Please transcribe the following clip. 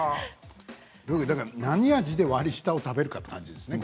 何味で割り下を食べるかっていう感じですね